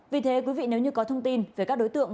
vì thế quý vị nếu như có thông tin về các đối tượng